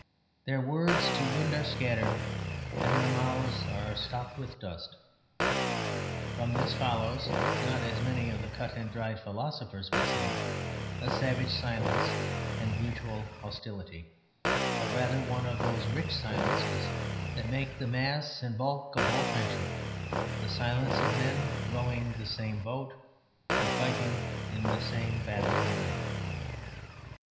"Their words to wind are scattered; and their mouths are stopped with dust." From this follows not (as many of the cut and dried philosophers would say) a savage silence and mutual hostility, but rather one of those rich silences that make the mass and bulk of all friendship; the silence of men rowing the same boat or fighting in the same battle line.